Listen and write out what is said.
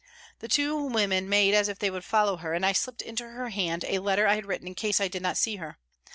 The two women made as if they would follow her, and I slipped into her hand a letter I had written in case I did not see her.